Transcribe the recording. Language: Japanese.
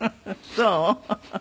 そう？